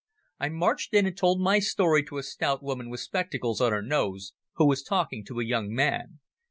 I marched in and told my story to a stout woman with spectacles on her nose who was talking to a young man.